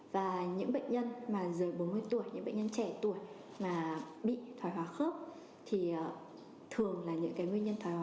và những bệnh nhân mà dưới bốn mươi tuổi những bệnh nhân trẻ tuổi mà bị thói hóa khớp thì thường là những cái nguyên nhân thói hóa